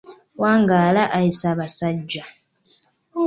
Wangaala ayi Ssaabaasajja